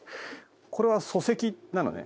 これは礎石なのね